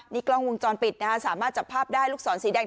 นี่กล้องวงจรปิดนะฮะสามารถจับภาพได้ลูกศรสีแดง